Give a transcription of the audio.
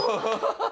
ハハハ！